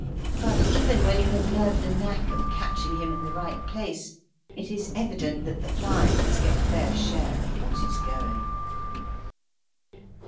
But even when you have learnt the knack of catching him in the right place it is evident that the flies get a fair share of what is going.